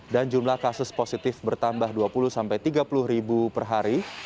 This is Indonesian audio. jumlah kasus positif bertambah dua puluh tiga puluh ribu per hari